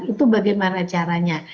itu bagaimana caranya